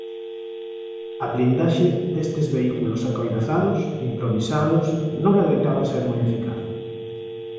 A blindaxe destes vehículos acoirazados improvisados non adoitaba ser moi eficaz.